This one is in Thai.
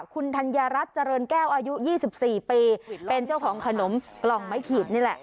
คุณธัญญารัฐเจริญแก้วอายุ๒๔ปีเป็นเจ้าของขนมกล่องไม้ขีดนี่แหละ